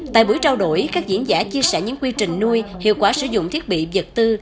tại buổi trao đổi các diễn giả chia sẻ những quy trình nuôi hiệu quả sử dụng thiết bị vật tư